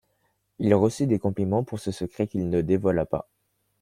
Il reçut des compliments pour ce secret qu’il ne dévoila pas.